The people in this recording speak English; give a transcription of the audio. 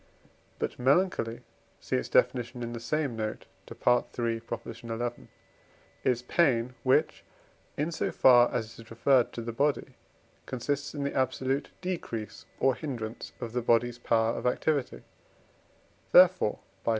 But Melancholy (see its Def. in the same note to III. xi.) is pain, which, in so far as it is referred to the body, consists in the absolute decrease or hindrance of the body's power of activity; therefore (IV.